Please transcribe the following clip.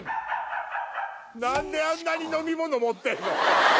何であんなに飲み物持ってんの？